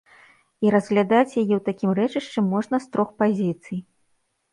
І разглядаць яе ў такім рэчышчы можна з трох пазіцый.